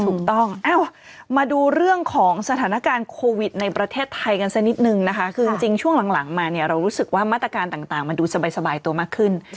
เอ้ามาดูเรื่องของสถานการณ์โควิดในประเทศไทยกันสักนิดนึงนะคะคือจริงช่วงหลังมาเนี่ยเรารู้สึกว่ามาตรการต่างมันดูสบายตัวมากขึ้น